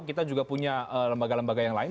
kita juga punya lembaga lembaga yang lain